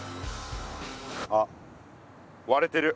あっわれてる。